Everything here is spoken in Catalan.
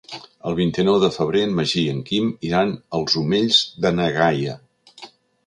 El vint-i-nou de febrer en Magí i en Quim iran als Omells de na Gaia.